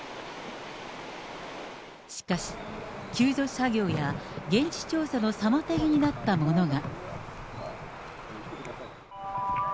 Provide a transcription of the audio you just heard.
しかし、救助作業や現地調査の妨げになったものが。